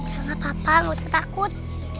gak apa apa nggak usah takut